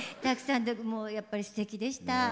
たくさんでやっぱりすてきでした。